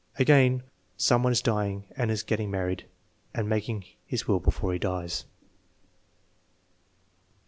Again, "Some one is dying and is getting married and making his will before he dies."